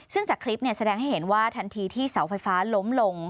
ซึ่งจากคลิปแสดงให้เห็นว่าทันทีที่เสาไฟฟ้าล้มลง